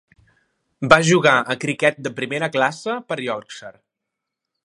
Va jugar a criquet de primera classe per Yorkshire.